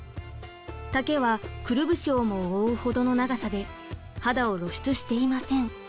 丈はくるぶしをも覆うほどの長さで肌を露出していません。